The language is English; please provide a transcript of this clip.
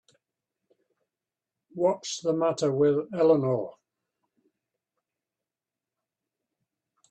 What's the matter with Eleanor?